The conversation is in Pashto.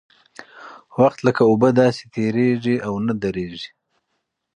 وخت لکه اوبه داسې تېرېږي او نه درېږي.